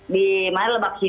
di marilebak situ